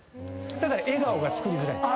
だから笑顔が作りづらいです。